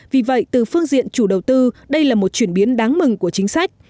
vì vậy từ phương diện chủ đầu tư đây là một chuyển biến đáng mừng của chính sách